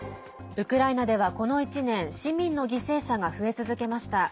ウクライナでは、この１年市民の犠牲者が増え続けました。